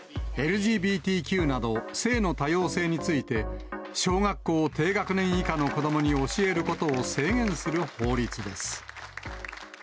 ＬＧＢＴＱなど、性の多様性について、小学校低学年以下の子どもに教えることを制限する法律です。